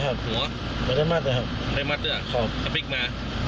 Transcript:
แขนไม่ได้นะครับหัวไม่ได้มัดนะครับไม่ได้มัดด้วยอ่ะครับถ้าปิ๊กมา